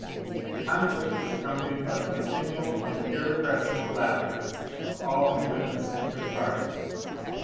The conflict was accompanied by the continual and in epr. . ,ille laughter of all who witn< and took part in it.